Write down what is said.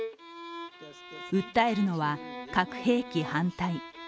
訴えるのは核兵器反対。